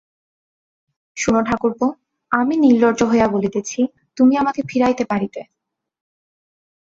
শুন ঠাকুরপো, আমি নির্লজ্জ হইয়া বলিতেছি, তুমি আমাকে ফিরাইতে পারিতে।